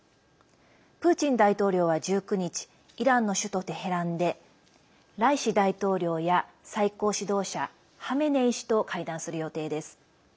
プーチン大統領は１９日イランの首都テヘランでライシ大統領や最高指導者ハメネイ師と会談する予定です。